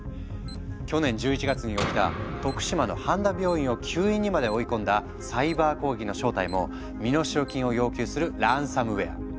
去年１１月に起きた徳島の半田病院を休院にまで追い込んだサイバー攻撃の正体も身代金を要求する「ランサムウェア」。